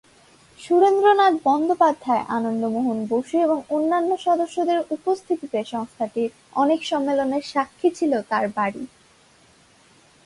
সুরেন্দ্রনাথ বন্দ্যোপাধ্যায়, আনন্দমোহন বসু এবং অন্যান্য সদস্যদের উপস্থিতিতে সংস্থাটির অনেক সম্মেলনের সাক্ষী ছিল তার বাড়ি।